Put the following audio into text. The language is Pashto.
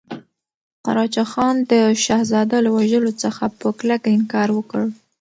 قراچه خان د شهزاده له وژلو څخه په کلکه انکار وکړ.